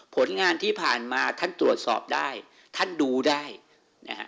ผลงานที่ผ่านมาท่านตรวจสอบได้ท่านดูได้นะฮะ